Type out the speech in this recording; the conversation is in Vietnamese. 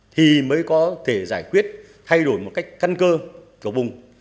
thì mới có thể giải quyết thay đổi một cách căn cơ của vùng